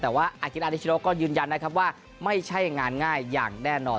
แต่ว่าอากิรานิชโนก็ยืนยันนะครับว่าไม่ใช่งานง่ายอย่างแน่นอน